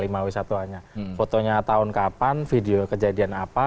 maksudnya foto foto tahun kapan video kejadian apa